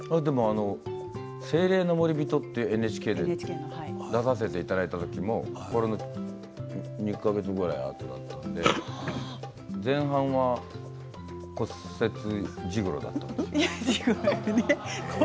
「精霊の守り人」というＮＨＫのドラマに出させていただいた時もこれの２か月ぐらいあとだったので前半は骨折ジグロだったんです。